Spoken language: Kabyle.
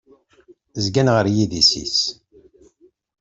Zzgan ɣer yidisan-is.